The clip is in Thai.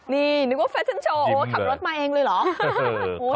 นี่นึกว่าแฟชั่นโชว์โอ้ขับรถมาเองเลยเหรอ